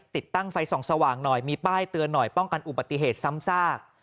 ติดตั้งไฟส่องสว่างหน่อยมีป้ายเตือนหน่อยป้องกันอุบัติเหตุซ้ำซาก